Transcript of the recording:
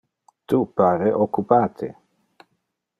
Tu pare occupate.